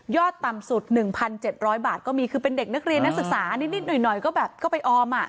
ต่ำสุด๑๗๐๐บาทก็มีคือเป็นเด็กนักเรียนนักศึกษานิดหน่อยก็แบบก็ไปออม